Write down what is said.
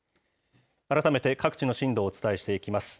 改めて各地の震度をお伝えしていきます。